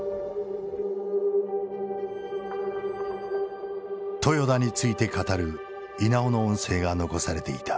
豊田について語る稲尾の音声が残されていた。